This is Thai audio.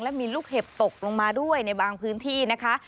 และมีลูกเห็บตกลงมาด้วยในบางพื้นที่นะคะ